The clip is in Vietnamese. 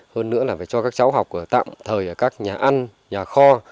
hơn nữa là phải cho các cháu học tạm thời ở các nhà ăn nhà kho